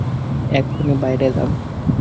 এক্ষুনি বাইরে যান!